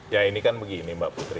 ya ini kan begini mbak putri